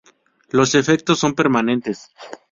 Los efectos son permanentes.